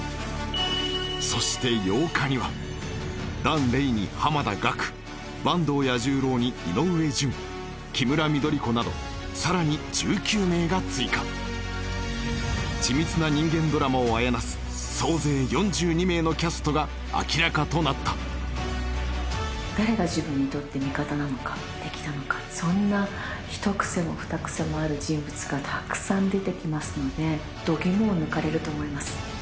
そして８日には坂東彌十郎に井上順キムラ緑子などさらに１９名が追加緻密な人間ドラマをあやなす総勢４２名のキャストが明らかとなった自分にとってそんな一癖も二癖もある人物がたくさん出てきますので度肝を抜かれると思います